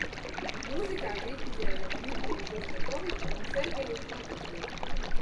Mūzikā kritizēja Dmitriju Šostakoviču un Sergeju Prokofjevu.